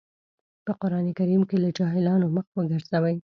په قرآن کريم کې له جاهلانو مخ وګرځوئ.